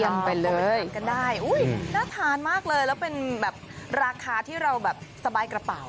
น่าทานมากเลยแล้วเป็นราคาที่เราสบายกระเป๋า